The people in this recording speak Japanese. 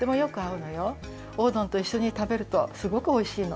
おうどんといっしょに食べるとすごくおいしいの。